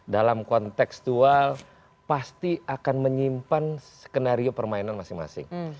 dalam konteks dual pasti akan menyimpan skenario permainan masing masing